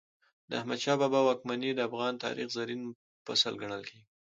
د احمد شاه بابا واکمني د افغان تاریخ زرین فصل ګڼل کېږي.